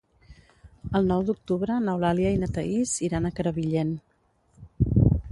El nou d'octubre n'Eulàlia i na Thaís iran a Crevillent.